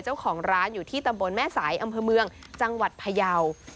เจ้าของร้านอยู่ที่ตำบลแม่สายอำเภอเมืองจังหวัดพยาว